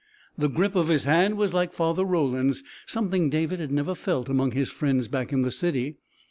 The grip of his hand was like Father Roland's something David had never felt among his friends back in the city.